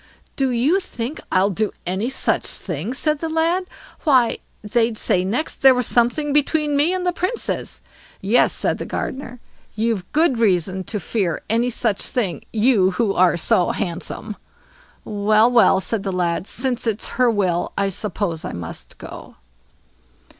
"Do you think I'll do any such thing?" said the lad. "Why they'd say next there was something between me and the Princess." "Yes", said the gardener, "you've good reason to fear any such thing, you who are so handsome." "Well, well", said the lad, "since it's her will, I suppose I must go."